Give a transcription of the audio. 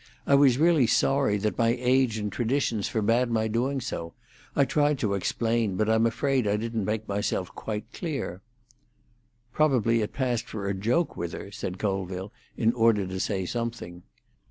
I was really sorry that my age and traditions forbade my doing so. I tried to explain, but I'm afraid I didn't make myself quite clear." "Probably it passed for a joke with her," said Colville, in order to say something.